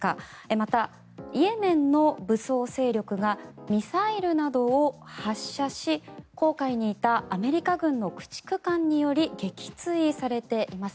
また、イエメンの武装勢力がミサイルなどを発射し紅海にいたアメリカ軍の駆逐艦により撃墜されています。